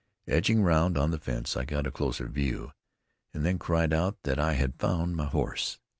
Edging round on the fence I got a closer view, and then cried out that I had found my horse.